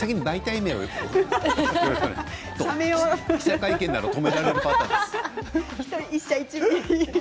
記者会見なら止められるパターンです。